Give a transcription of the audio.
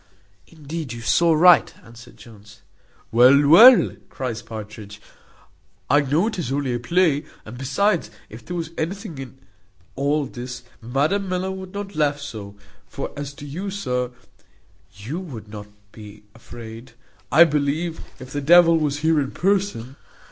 "Indeed, you saw right," answered Jones. "Well, well," cries Partridge, "I know it is only a play: and besides, if there was anything in all this, Madam Miller would not laugh so; for as to you, sir, you would not be afraid, I believe, if the devil was here in person.